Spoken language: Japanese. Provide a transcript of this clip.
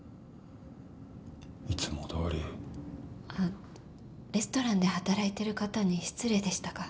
あっレストランで働いてる方に失礼でしたか。